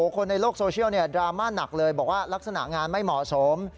คนในโลกโซเชียลดราม่าหนักเลยบอกว่าลักษณะงานไม่เหมาะสม